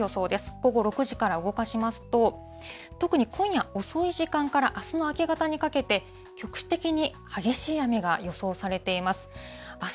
午後６時から動かしますと、特に今夜遅い時間からあすの明け方にかけて、局地的に激しい雨が予想されています。